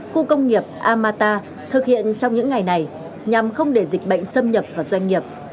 khu công nghiệp amata thực hiện trong những ngày này nhằm không để dịch bệnh xâm nhập vào doanh nghiệp